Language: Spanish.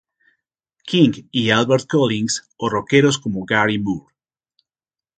King y Albert Collins o rockeros como Gary Moore.